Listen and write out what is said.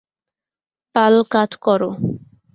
পাল কাত করো।